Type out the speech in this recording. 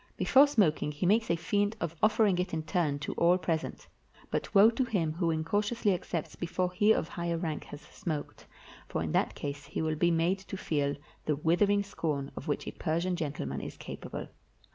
Before smoking, he makes a feint of offering it in turn to all present; but woe to him who incautiously accepts before he of higher rank has smoked, for in that case he will be made to feel the withering scorn of which a Persian gentleman is capable.